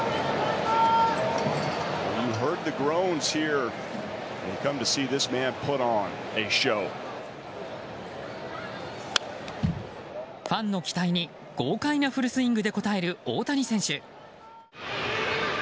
ファンの期待に豪快なフルスイングで応える大谷選手。